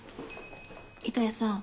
板谷さん